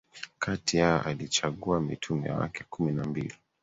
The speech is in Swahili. Kati yao alichagua Mitume wake kumi na mbili